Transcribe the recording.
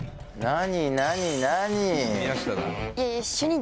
何？